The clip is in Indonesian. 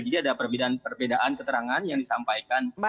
jadi ada perbedaan keterangan yang disampaikan